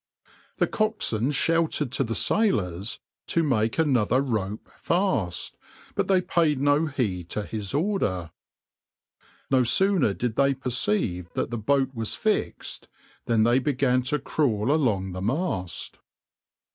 The coxswain shouted to the sailors to make another rope fast, but they paid no heed to his order. No sooner did they perceive that the boat was fixed than they began to crawl along the mast.